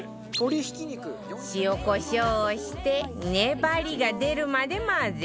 塩コショウをして粘りが出るまで混ぜたら